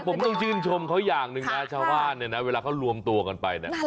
ผมต้องชื่นชมเขาอย่างหนึ่งนะชาวบ้านเนี่ยนะเวลาเขารวมตัวกันไปเนี่ย